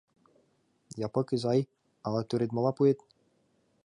Япык изай, ала тӱредмыла пуэт?